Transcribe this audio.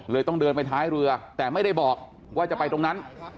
ต้องเดินไปท้ายเรือแต่ไม่ได้บอกว่าจะไปตรงนั้น